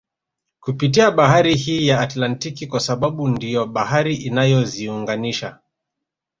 Kupitia bahari hii ya Atlantiki kwa sababu ndiyo bahari inayoziunganisha